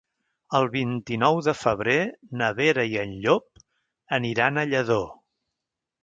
El vint-i-nou de febrer na Vera i en Llop aniran a Lladó.